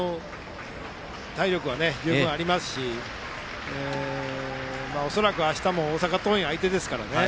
体力は十分ありますし恐らくあしたも大阪桐蔭相手ですからね。